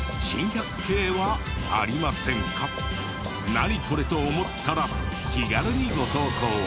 「ナニコレ？」と思ったら気軽にご投稿を。